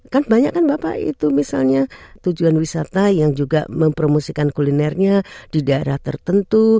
kan banyak kan bapak itu misalnya tujuan wisata yang juga mempromosikan kulinernya di daerah tertentu